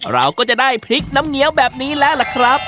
เราก็จะได้พริกน้ำเงี้ยวแบบนี้แล้วล่ะครับ